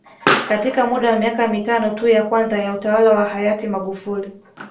Katika muda wa miaka mitano tu ya kwanza ya utawala wa hayati Magufuli